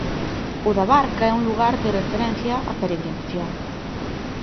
O da Barca é un lugar de referencia a peregrinación.